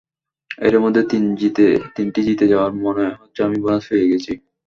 এরই মধ্যে তিনটি জিতে যাওয়ায় মনে হচ্ছে আমি বোনাস পেয়ে গেছি।